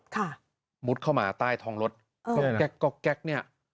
ค่ะมุดเข้ามาใต้ท้องรถก็แก๊กก็แก๊กเนี่ย